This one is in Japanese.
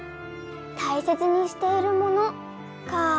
「たいせつにしているもの」かぁ。